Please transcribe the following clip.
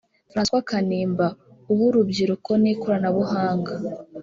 François Kanimba; uw’Urubyiruko n’Ikoranabuhanga